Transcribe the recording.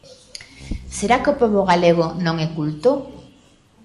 ¿Será que o pobo galego non é culto?